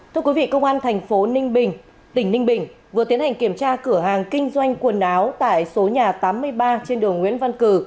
thưa quý vị công an thành phố ninh bình tỉnh ninh bình vừa tiến hành kiểm tra cửa hàng kinh doanh quần áo tại số nhà tám mươi ba trên đường nguyễn văn cử